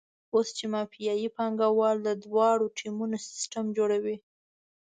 اوس چې مافیایي پانګوال د دواړو ټیمونو سیستم جوړوي.